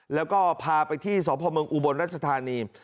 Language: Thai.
แล้วก็พาไปที่สพเมืองอุบลรัชธานี